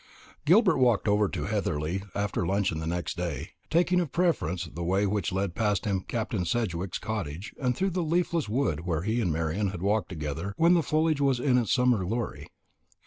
Gilbert walked over to Heatherly after luncheon next day, taking of preference the way which led him past Captain Sedgewick's cottage and through the leafless wood where he and Marian had walked together when the foliage was in its summer glory.